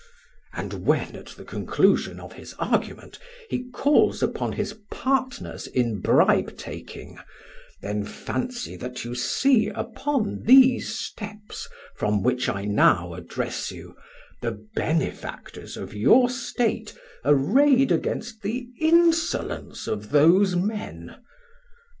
And when at the conclusion of his argument he calls upon his partners in bribe taking, then fancy that you see upon these steps, from which I now address you, the benefactors of your State arrayed against the insolence of those men.